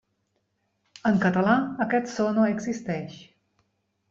En català, aquest so no existeix.